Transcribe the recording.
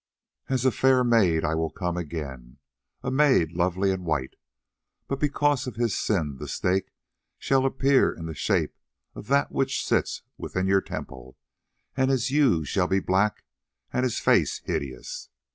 "'As a fair maid will I come again, a maid lovely and white, but because of his sin the Snake shall appear in the shape of that which sits within your temple, and his hue shall be black and his face hideous.